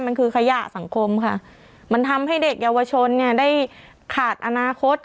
มันคือขยะสังคมค่ะมันทำให้เด็กเยาวชนเนี่ยได้ขาดอนาคต